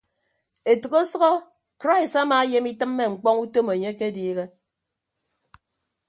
Etәk ọsʌhọ krais amaayem itịmme ñkpọñ utom enye akediihe.